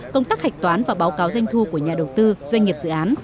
công tác hạch toán và báo cáo doanh thu của nhà đầu tư doanh nghiệp dự án